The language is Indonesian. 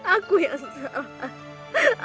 aku yang salah